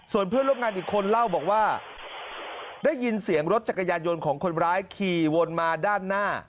ส่วนเพื่อนร่วมงานอีกคนเล่าบอกว่าได้ยินเสียงรถจักรยานยนต์ของคนร้ายขี่วนมาด้านหน้า